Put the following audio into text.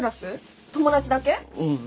うん。